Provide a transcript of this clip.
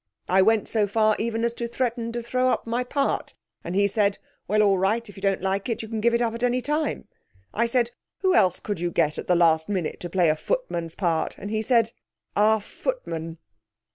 I went so far even as to threaten to throw up my part, and he said, "Well, all right, if you don't like it you can give it up at any time," I said, "Who else could you get at the last minute to play a footman's part?" and he said, "Our footman!"'